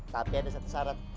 tapi ada satu syarat